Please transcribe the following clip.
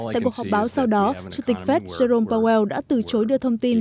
tại cuộc họp báo sau đó chủ tịch fed jerome powell đã từ chối đưa thông tin